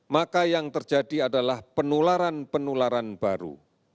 maka yang terjadi adalah penularan penularan baru